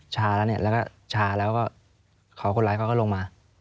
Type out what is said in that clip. ชาแล้วก็ชาแล้วก็เขาคนร้ายเขาก็ลงมา